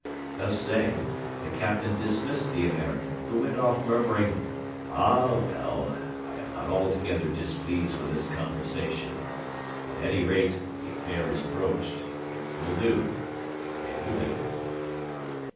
Thus saying, the Captain dismissed the American, who went off murmuring, "Ah, well, I am not altogether displeased with this conversation: at any rate, the affair is broached; it will do, it will do!"